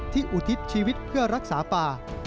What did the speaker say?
อุทิศชีวิตเพื่อรักษาป่า